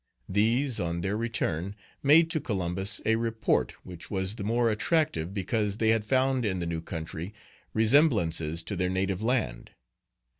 These, on their return, made to Columbus a report, which was the more attractive, because they had found in the new country resemblances to their native land.